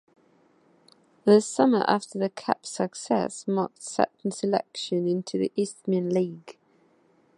The summer after the cup success marked Sutton's election into the Isthmian League.